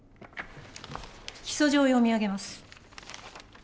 起訴状を読み上げます。